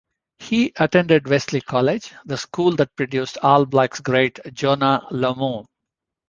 He attended Wesley College, the school that produced All Blacks great Jonah Lomu.